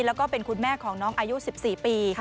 แล้วก็เป็นคุณแม่ของน้องอายุ๑๔ปี